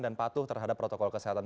dan patuh terhadap protokol kesehatan